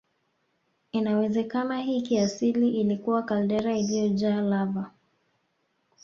Inawezekana hii kiasili ilikuwa kaldera iliyojaa lava